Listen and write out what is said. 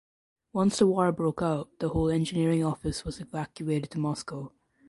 Once the war broke out the whole engineering office was evacuated to Moscow.